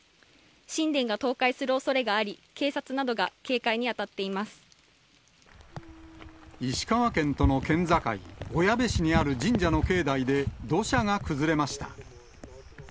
神殿が倒壊するおそれがあり、石川県との県境、小矢部市にある神社の境内で土砂が崩れました。